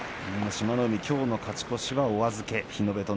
志摩ノ海、きょうの勝ち越しはお預けに。